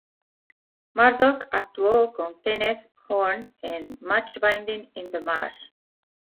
Murdoch actuó con Kenneth Horne en "Much Binding in the Marsh".